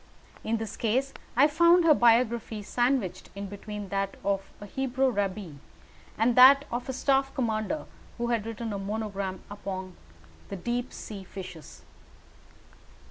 In this case I found her biography sandwiched in between that of a Hebrew rabbi and that of a staff commander who had written a monograph upon the deep sea fishes.